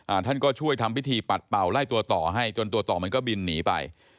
ท่านก็ช่วยทำพิธีปัดเป่าไล่ตัวต่อให้จนตัวต่อมันก็บินหนีไป